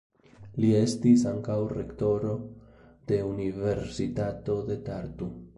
Li estis ankaŭ rektoro de Universitato de Tartu.